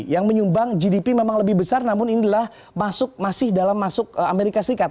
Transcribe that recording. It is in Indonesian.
yang menyumbang gdp memang lebih besar namun ini adalah masih dalam masuk amerika serikat